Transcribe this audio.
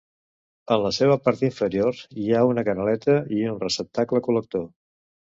En la seva part inferior hi ha una canaleta i un receptacle col·lector.